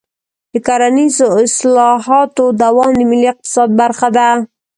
د کرنیزو اصلاحاتو دوام د ملي اقتصاد برخه ده.